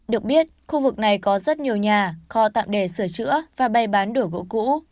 được biết khu vực này có rất nhiều nhà kho tạm để sửa chữa và bay bán đổ gỗ cũ